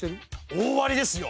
大ありですよ。